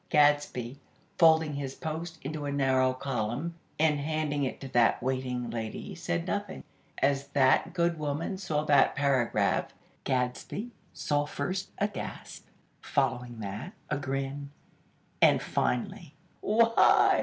Gadsby, folding his "Post" into a narrow column, and handing it to that waiting lady, said nothing. As that good woman saw that paragraph, Gadsby saw first a gasp, following that, a grin, and finally: "_Why!